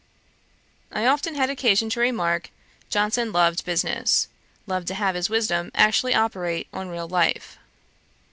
I often had occasion to remark, Johnson loved business, loved to have his wisdom actually operate on real life.